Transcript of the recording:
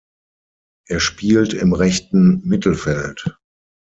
Er spielt im rechten Mittelfeld.